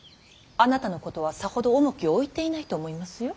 あなたのことはさほど重きを置いていないと思いますよ。